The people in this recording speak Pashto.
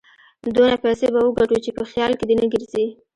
دونه پيسې به وګټو چې په خيال کې دې نه ګرځي.